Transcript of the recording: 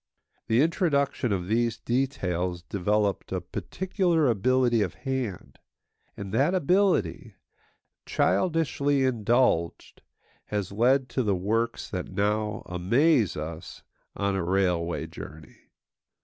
The introduction of these details developed a particular ability of hand; and that ability, childishly indulged, has led to the works that now amaze us on a railway journey.